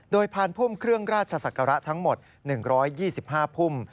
โดยพานพุ่มเครื่องราชศักระทั้งหมด๑๒๕พุ่ม